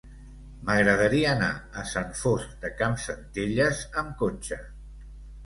M'agradaria anar a Sant Fost de Campsentelles amb cotxe.